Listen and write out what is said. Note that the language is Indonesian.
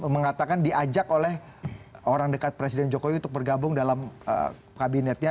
mengatakan diajak oleh orang dekat presiden jokowi untuk bergabung dalam kabinetnya